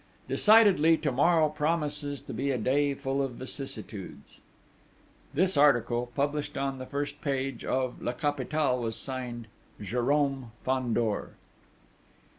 Decidedly, to morrow promises to be a day full of vicissitudes. This article, published on the first page of La Capitale, was signed: JÉRÔME FANDOR.